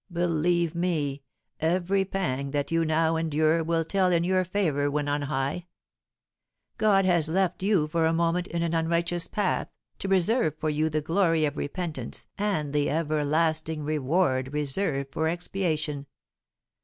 Believe me, every pang that you now endure will tell in your favour when on high. God has left you for a moment in an unrighteous path, to reserve for you the glory of repentance and the everlasting reward reserved for expiation.